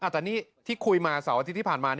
แต่นี่ที่คุยมาเสาร์อาทิตย์ที่ผ่านมา